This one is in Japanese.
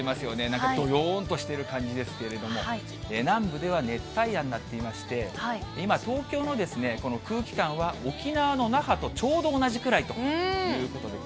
なんかどよーんとしているという感じですけれども、南部では熱帯夜になっていまして、今、東京のこの空気感は沖縄の那覇とちょうど同じくらいということで。